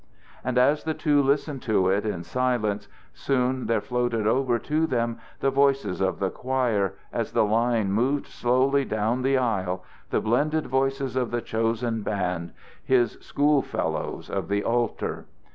And as the two listened to it in silence, soon there floated over to them the voices of the choir as the line moved slowly down the aisle, the blended voices of the chosen band, his school fellows of the altar.